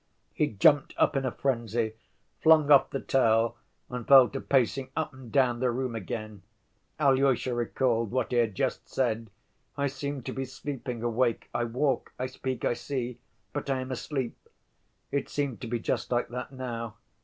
He jumped up in a frenzy, flung off the towel, and fell to pacing up and down the room again. Alyosha recalled what he had just said. "I seem to be sleeping awake.... I walk, I speak, I see, but I am asleep." It seemed to be just like that now.